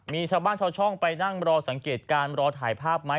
มีชาวบ้านชาวช่องไปนั่งรอสังเกตการณ์รอถ่ายภาพไหม